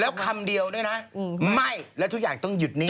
แล้วคำเดียวด้วยนะไม่แล้วทุกอย่างต้องหยุดนิ่ง